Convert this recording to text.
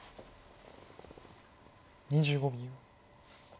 ２５秒。